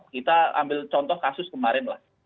kita ambil contoh kasus kemarin lah